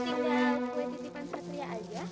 ya mama tinggal kue titipan satu aja